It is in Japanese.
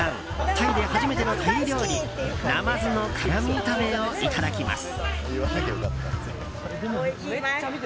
タイで初めてのタイ料理ナマズの辛味炒めをいただきます。